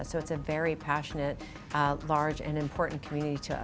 jadi ini adalah komunitas yang sangat berhasil dan penting untuk kita